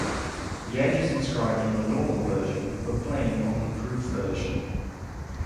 The edge is inscribed on the normal version, but plain on the proof version.